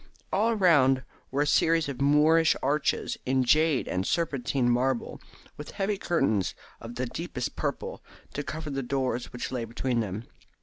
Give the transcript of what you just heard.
All round were a series of Moorish arches, in jade and serpentine marble, with heavy curtains of the deepest purple to cover the doors which lay between them.